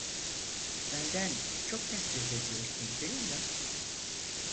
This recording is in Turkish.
Benden çok nefret ediyorsun, değil mi?